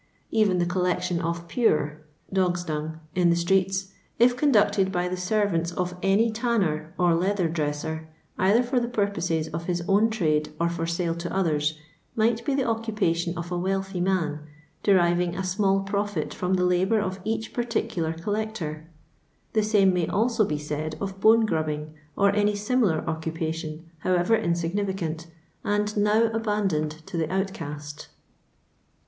Bven the coUection of "pure" (dogs' dung) in the streeu, if conducted by the servants of any tanner or leather dresser, either for the purposes of his own trade or for saie to othen, might be the occupation of a wealthy man, deriving a small profit from the labour of each particular collector. The same may also be said of bone grubbing, or any similar occupation, however insignificant, and now abandoned to the outcast.